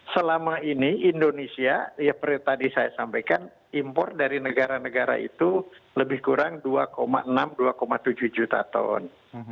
selama ini indonesia seperti tadi saya sampaikan impor dari negara negara itu lebih kurang dua enam dua tujuh juta ton